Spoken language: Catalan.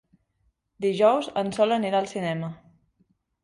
Dijous en Sol anirà al cinema.